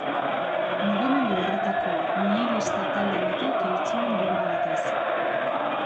Mugimendu horretako nihilista-talde batek hil zuen bonba batez.